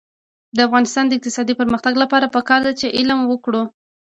د افغانستان د اقتصادي پرمختګ لپاره پکار ده چې عمل وکړو.